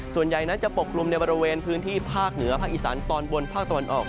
ส่วนใหญ่นั้นจะปกลุ่มในบริเวณพื้นที่ภาคเหนือภาคอีสานตอนบนภาคตะวันออก